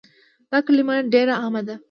دا کلمه ډيره عامه ده